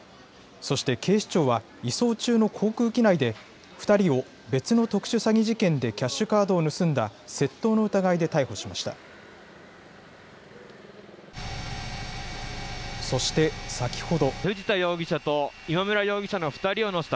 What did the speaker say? そして警視庁は移送中の航空機内で２人を別の特殊詐欺事件でキャッシュカードを盗んだ窃盗の疑いで逮捕しました。